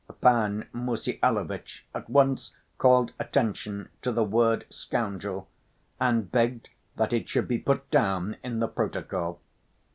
Pan Mussyalovitch at once called attention to the word "scoundrel" and begged that it should be put down in the protocol.